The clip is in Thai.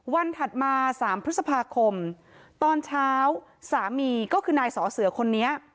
ถัดมา๓พฤษภาคมตอนเช้าสามีก็คือนายสอเสือคนนี้